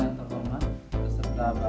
saya sedeket sama ibu